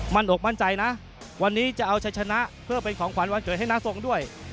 อกมั่นใจนะวันนี้จะเอาชัยชนะเพื่อเป็นของขวัญวันเกิดให้น้าทรงด้วย